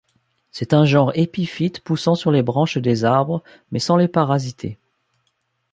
C'est un genre épiphyte poussant sur les branches des arbres, mais sans les parasiter.